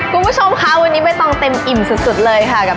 คุณผู้ชมค่ะวันนี้ใบตองเต็มอิ่มสุดเลยค่ะ